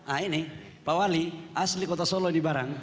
ah ini pak wali asli kota solo ini barang